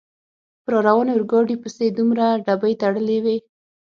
په را روانې اورګاډي پسې دومره ډبې تړلې وې.